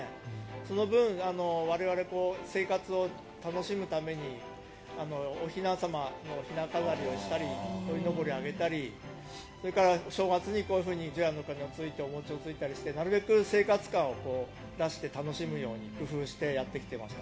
その分我々、生活を楽しむためにおひな様のひな飾りをしたりこいのぼりを上げたりそれから正月に除夜の鐘をついて餅をついたりしてなるべく生活感を出して楽しむように工夫してやってきました。